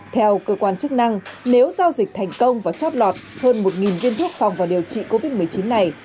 theo cơ quan chức năng nếu giao dịch thành công và chót lọt hơn một viên thuốc phòng vào điều trị covid một mươi chín này